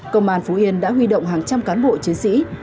công an phú yên đã huy động hàng trăm cán bộ chiến sĩ